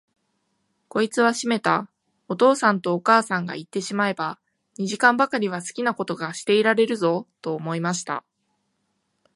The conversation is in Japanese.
こいつはしめた、お父さんとお母さんがいってしまえば、二時間ばかりは好きなことがしていられるぞ、と思いました。